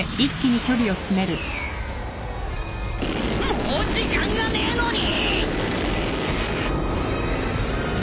もう時間がねえのに！